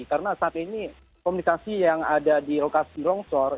karena saat ini komunikasi yang ada di lokasi longshore